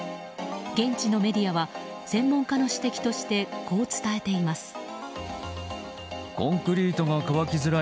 現地のメディアは専門家の指摘としてこう伝えています。